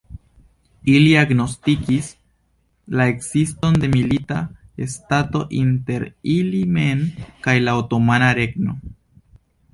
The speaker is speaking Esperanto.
Ili agnoskis la ekziston de milita stato inter ili mem kaj la Otomana Regno.